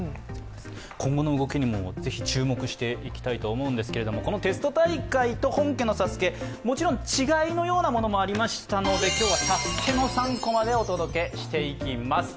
今後の動きにも注目していきたいんですが、このテスト大会と本家のＳＡＳＵＫＥ、もちろん違いのようなものもありましたので、今日はＳＡＳＵＫＥの３コマでお届けしていきます。